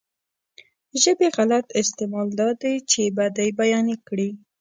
ژبې غلط استعمال دا دی چې بدۍ بيانې کړي.